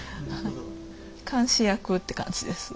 監視役って感じです。